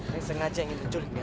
yang sengaja ingin menculik dia